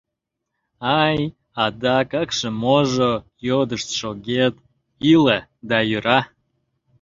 — Ай, адак акше-можо... йодышт шогет, иле да йӧра.